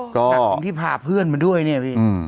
กับคนที่พาเพื่อนมาด้วยนี่พี่